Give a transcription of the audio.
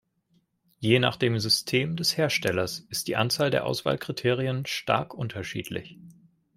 Je nach dem System des Herstellers ist die Anzahl der Auswahlkriterien stark unterschiedlich.